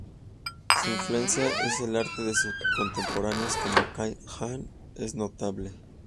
Su influencia en el arte de sus contemporáneos, como Cai Han, es notable.